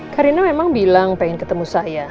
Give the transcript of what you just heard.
karina memang bilang pengen ketemu saya